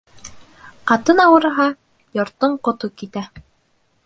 Ҡатын ауырыһа, йорттоң ҡото китә.